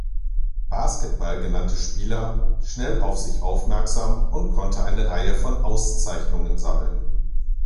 Basketball" genannte Spieler, schnell auf sich aufmerksam und konnte eine Reihe von Auszeichnungen sammeln.